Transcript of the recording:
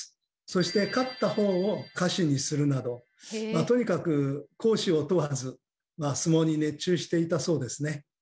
そして勝ったほうを家臣にするなどまあとにかく公私を問わず相撲に熱中していたそうですね。